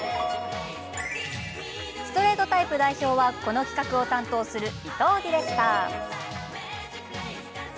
ストレートタイプ代表はこの企画を担当する伊藤ディレクター。